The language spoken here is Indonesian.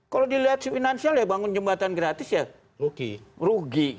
kalau dilihat finansial ya bangun jembatan gratis ya rugi